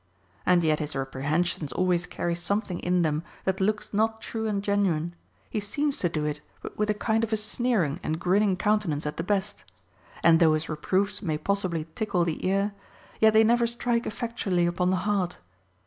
And yet his rep rehensions always carry something in them that looks not true and genuine ; he seems to do it, but with a kind of a sneering and grinning countenance at the best ; and though his reproofs may possibly tickle the ear, yet they never strike effectually upon the heart.